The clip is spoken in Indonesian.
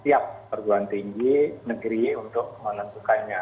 tiap perguruan tinggi negeri untuk menentukannya